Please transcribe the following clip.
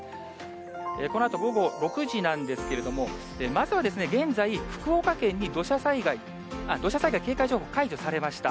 このあと午後６時なんですけれども、まずは現在、福岡県に土砂災害警戒情報、解除されました。